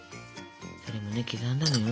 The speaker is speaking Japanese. それもね刻んだのよ